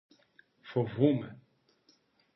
Φοβούμαι!